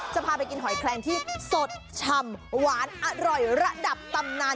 จะพาไปกินหอยแคลงที่สดชำหวานอร่อยระดับตำนาน